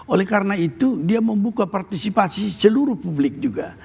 oleh karena itu dia membuka partisipasi seluruh publik juga